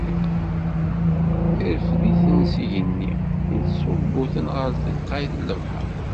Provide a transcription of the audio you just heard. Ireffed-iten s igenni, ittṣubbu-ten ɣer telqay n lebḥer.